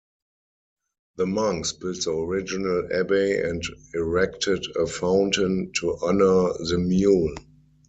The monks built the original abbey and erected a fountain to honour the mule.